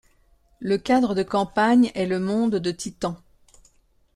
Le cadre de campagne est le monde de Titan.